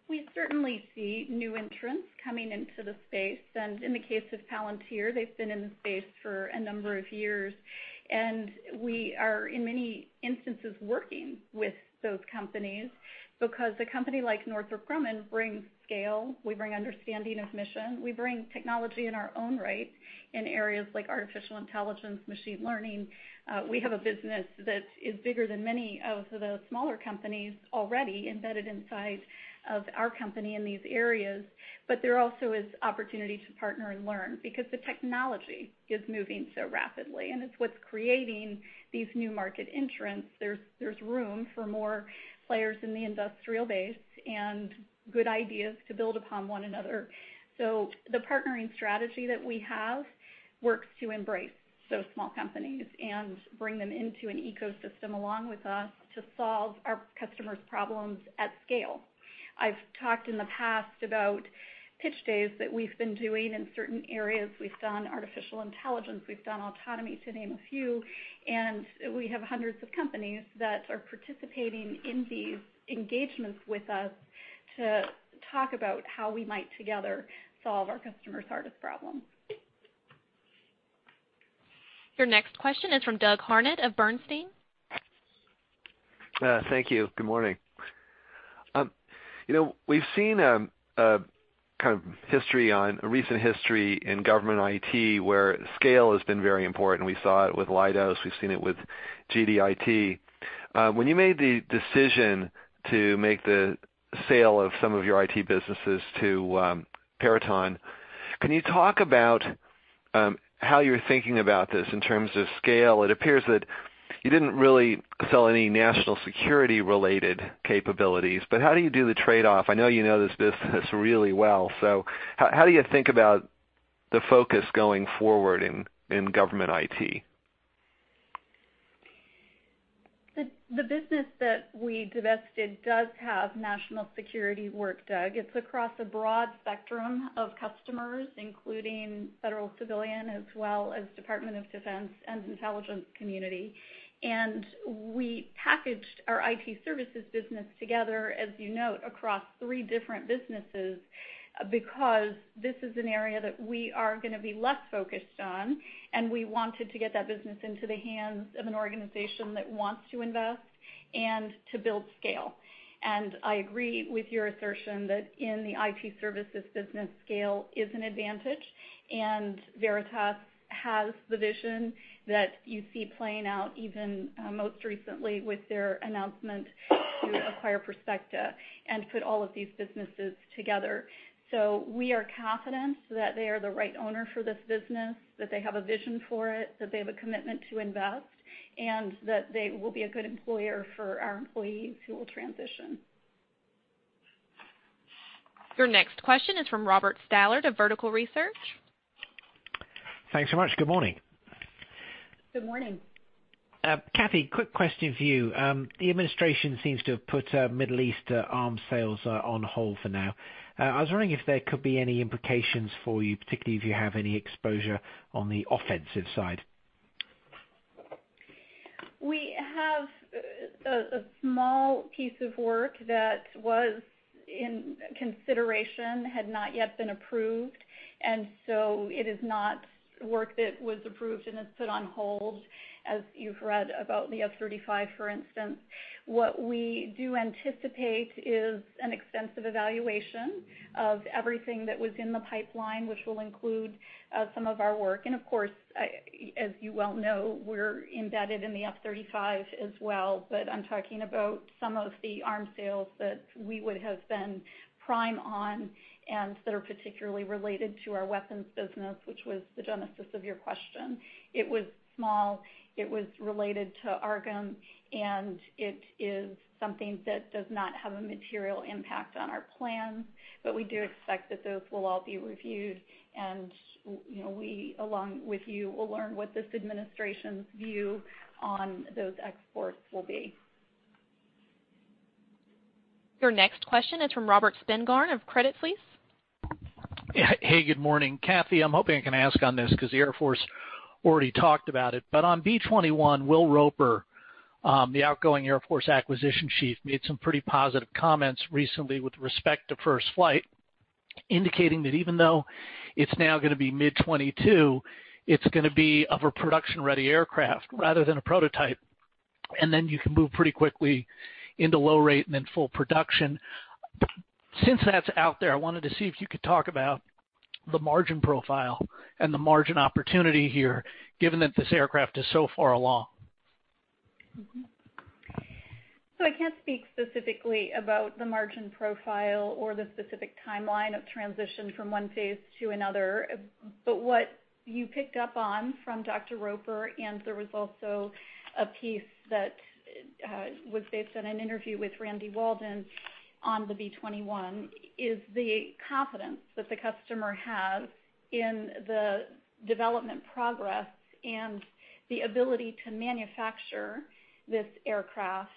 We certainly see new entrants coming into the space, and in the case of Palantir, they've been in the space for a number of years, and we are, in many instances, working with those companies because a company like Northrop Grumman brings scale. We bring understanding of mission. We bring technology in our own right in areas like artificial intelligence, machine learning. We have a business that is bigger than many of the smaller companies already embedded inside of our company in these areas. There also is opportunity to partner and learn because the technology is moving so rapidly, and it's what's creating these new market entrants. There's room for more players in the industrial base and good ideas to build upon one another. The partnering strategy that we have works to embrace those small companies and bring them into an ecosystem along with us to solve our customers' problems at scale. I've talked in the past about pitch days that we've been doing in certain areas. We've done artificial intelligence, we've done autonomy, to name a few, and we have hundreds of companies that are participating in these engagements with us to talk about how we might together solve our customers' hardest problems. Your next question is from Doug Harned of Bernstein. Thank you. Good morning. We've seen a recent history in government IT where scale has been very important. We saw it with Leidos. We've seen it with GDIT. When you made the decision to make the sale of some of your IT businesses to Veritone, can you talk about how you're thinking about this in terms of scale? It appears that you didn't really sell any national security-related capabilities. How do you do the trade-off? I know you know this business really well. How do you think about the focus going forward in government IT? The business that we divested does have national security work, Doug. It's across a broad spectrum of customers, including federal civilian, as well as Department of Defense and intelligence community. We packaged our IT services business together, as you note, across three different businesses because this is an area that we are going to be less focused on, and we wanted to get that business into the hands of an organization that wants to invest and to build scale. I agree with your assertion that in the IT services business, scale is an advantage, and Veritas has the vision that you see playing out even most recently with their announcement to acquire Perspecta and put all of these businesses together. We are confident that they are the right owner for this business, that they have a vision for it, that they have a commitment to invest, and that they will be a good employer for our employees who will transition. Your next question is from Robert Stallard of Vertical Research. Thanks so much. Good morning. Good morning. Kathy, quick question for you. The administration seems to have put Middle East arms sales on hold for now. I was wondering if there could be any implications for you, particularly if you have any exposure on the offensive side. We have a small piece of work that was in consideration, had not yet been approved. It is not work that was approved and is put on hold, as you've read about the F-35, for instance. What we do anticipate is an extensive evaluation of everything that was in the pipeline, which will include some of our work. Of course, as you well know, we're embedded in the F-35 as well. I'm talking about some of the arms sales that we would have been prime on and that are particularly related to our weapons business, which was the genesis of your question. It was small, it was related to AARGM. It is something that does not have a material impact on our plans. We do expect that those will all be reviewed and we, along with you, will learn what this administration's view on those exports will be. Your next question is from Robert Spingarn of Credit Suisse. Hey, good morning. Kathy, I'm hoping I can ask on this because the Air Force already talked about it. On B-21, Will Roper, the outgoing Air Force acquisition chief, made some pretty positive comments recently with respect to first flight, indicating that even though it's now going to be mid-2022, it's going to be of a production-ready aircraft rather than a prototype, and then you can move pretty quickly into low rate and then full production. Since that's out there, I wanted to see if you could talk about the margin profile and the margin opportunity here, given that this aircraft is so far along. I can't speak specifically about the margin profile or the specific timeline of transition from one phase to another. What you picked up on from Dr. Roper, and there was also a piece that was based on an interview with Randy Walden on the B-21, is the confidence that the customer has in the development progress and the ability to manufacture this aircraft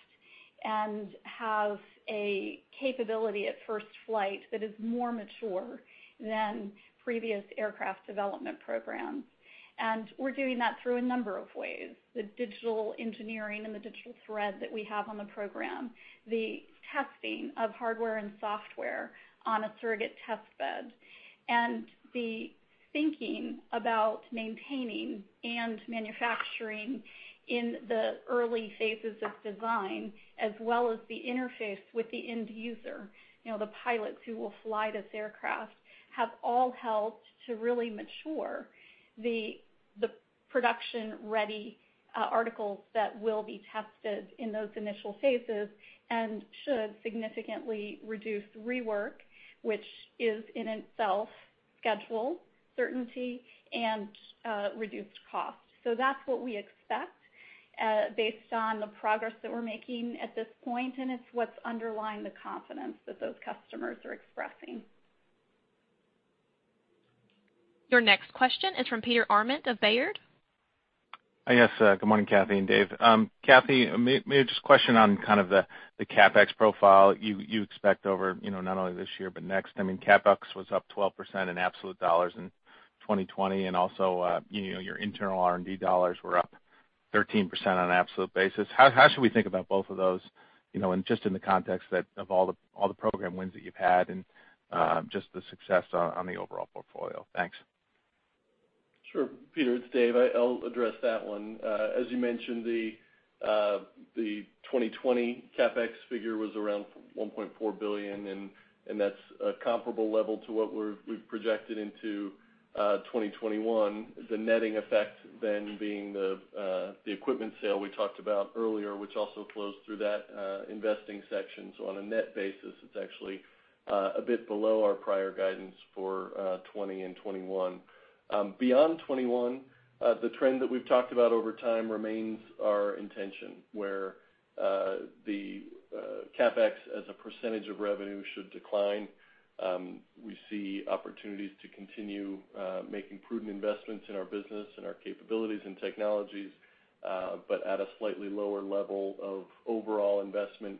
and have a capability at first flight that is more mature than previous aircraft development programs. We're doing that through a number of ways. The digital engineering and the digital thread that we have on the program, the testing of hardware and software on a surrogate test bed, and the thinking about maintaining and manufacturing in the early phases of design, as well as the interface with the end user, the pilots who will fly this aircraft, have all helped to really mature the production-ready articles that will be tested in those initial phases and should significantly reduce rework, which is in itself schedule certainty and reduced cost. That's what we expect based on the progress that we're making at this point, and it's what's underlying the confidence that those customers are expressing. Your next question is from Peter Arment of Baird. Yes, good morning, Kathy and Dave. Kathy, maybe just question on kind of the CapEx profile you expect over not only this year, but next. I mean, CapEx was up 12% in absolute dollars in 2020. Also, your internal R&D dollars were up 13% on an absolute basis. How should we think about both of those, and just in the context that of all the program wins that you've had and just the success on the overall portfolio? Thanks. Sure, Peter, it's Dave. I'll address that one. As you mentioned, the 2020 CapEx figure was around $1.4 billion, and that's a comparable level to what we've projected into 2021. The netting effect then being the equipment sale we talked about earlier, which also flows through that investing section. On a net basis, it's actually a bit below our prior guidance for 2020 and 2021. Beyond 2021, the trend that we've talked about over time remains our intention, where the CapEx as a percentage of revenue should decline. We see opportunities to continue making prudent investments in our business and our capabilities and technologies, but at a slightly lower level of overall investment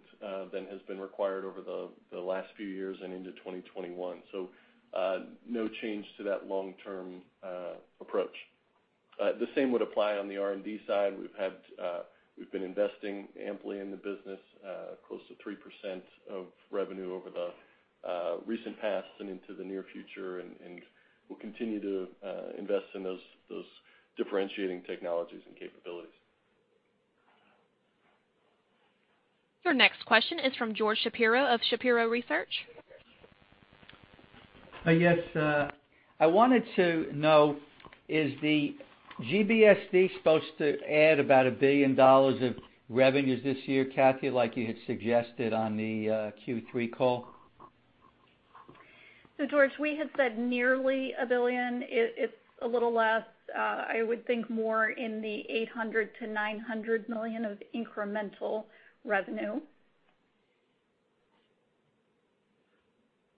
than has been required over the last few years and into 2021. No change to that long-term approach. The same would apply on the R&D side. We've been investing amply in the business, close to 3% of revenue over the recent past and into the near future, and we'll continue to invest in those differentiating technologies and capabilities. Your next question is from George Shapiro of Shapiro Research. Yes. I wanted to know, is the GBSD supposed to add about $1 billion of revenues this year, Kathy, like you had suggested on the Q3 call? George, we had said nearly $1 billion. It's a little less, I would think more in the $800 million-$900 million of incremental revenue.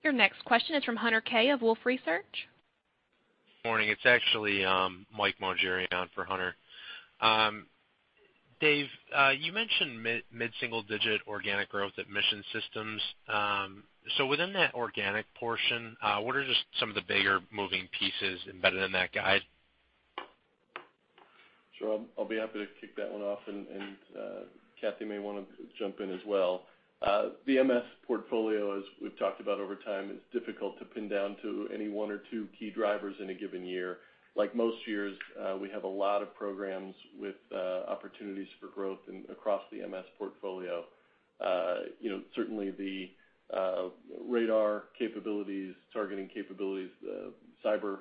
Your next question is from Hunter Keay of Wolfe Research. Morning. It's actually Mike Maugeri on for Hunter. Dave, you mentioned mid-single digit organic growth at Mission Systems. Within that organic portion, what are just some of the bigger moving pieces embedded in that guide? Sure. I'll be happy to kick that one off, and Kathy may want to jump in as well. The MS portfolio, as we've talked about over time, is difficult to pin down to any one or two key drivers in a given year. Like most years, we have a lot of programs with opportunities for growth across the MS portfolio. Certainly, the radar capabilities, targeting capabilities, cyber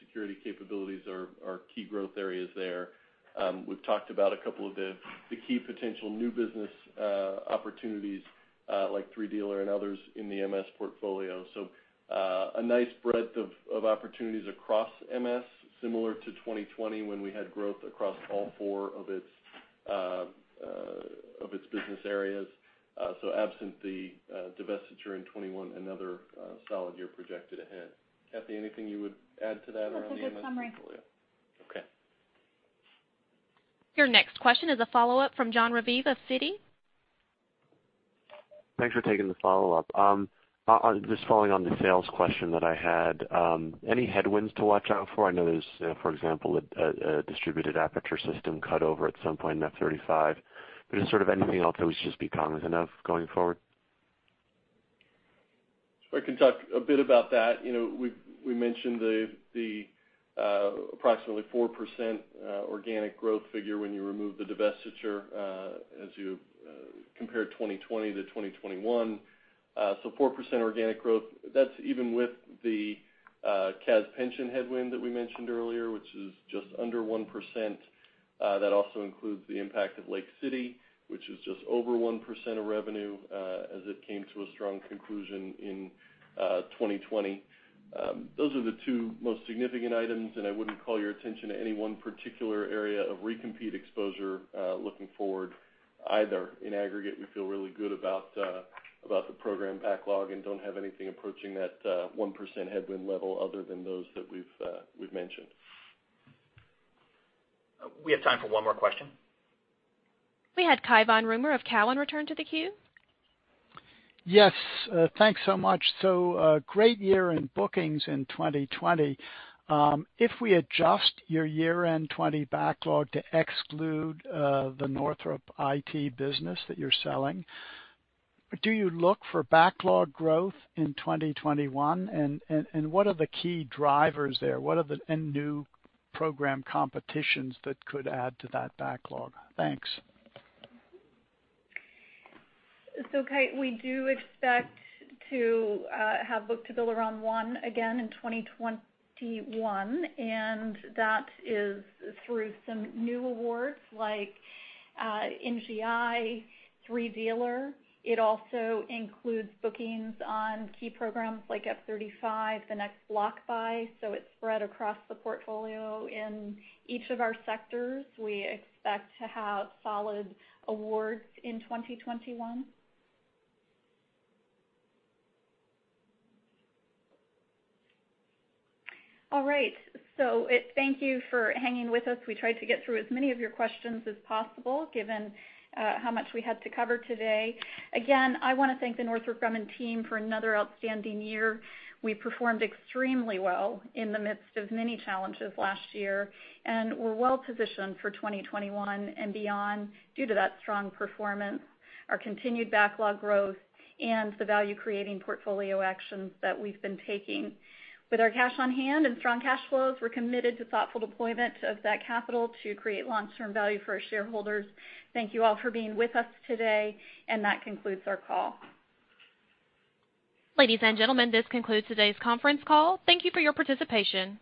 security capabilities are key growth areas there. We've talked about a couple of the key potential new business opportunities like 3DELRR and others in the MS portfolio. A nice breadth of opportunities across MS, similar to 2020 when we had growth across all four of its business areas. Absent the divestiture in 2021, another solid year projected ahead. Kathy, anything you would add to that around the MS portfolio? That's a good summary. Okay. Your next question is a follow-up from Jon Raviv of Citi. Thanks for taking the follow-up. Just following on the sales question that I had, any headwinds to watch out for? I know there's, for example, a Distributed Aperture System cutover at some point in F-35. Just anything else that we should just be cognizant of going forward? I can talk a bit about that. We mentioned the approximately 4% organic growth figure when you remove the divestiture as you compare 2020-2021. 4% organic growth, that's even with the CAS pension headwind that we mentioned earlier, which is just under 1%. That also includes the impact of Lake City, which is just over 1% of revenue, as it came to a strong conclusion in 2020. Those are the two most significant items, and I wouldn't call your attention to any one particular area of recompete exposure looking forward either. In aggregate, we feel really good about the program backlog and don't have anything approaching that 1% headwind level other than those that we've mentioned. We have time for one more question. We had Cai von Rumohr of Cowen return to the queue. Yes. Thanks so much. Great year in bookings in 2020. If we adjust your year-end 2020 backlog to exclude the Northrop Grumman IT business that you're selling, do you look for backlog growth in 2021? What are the key drivers there? What are the end-new program competitions that could add to that backlog? Thanks. Cai, we do expect to have book-to-bill around one again in 2021, and that is through some new awards like NGI, 3DELRR. It also includes bookings on key programs like F-35, the next block buy. It's spread across the portfolio. In each of our sectors, we expect to have solid awards in 2021. All right. Thank you for hanging with us. We tried to get through as many of your questions as possible, given how much we had to cover today. Again, I want to thank the Northrop Grumman team for another outstanding year. We performed extremely well in the midst of many challenges last year, and we're well-positioned for 2021 and beyond due to that strong performance, our continued backlog growth, and the value-creating portfolio actions that we've been taking. With our cash on hand and strong cash flows, we're committed to thoughtful deployment of that capital to create long-term value for our shareholders. Thank you all for being with us today, and that concludes our call. Ladies and gentlemen, this concludes today's conference call. Thank you for your participation.